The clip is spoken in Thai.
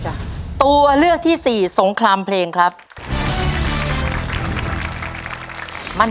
ใช่นักร้องบ้านนอก